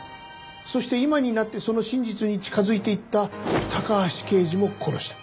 そして今になってその真実に近づいていった高橋刑事も殺した。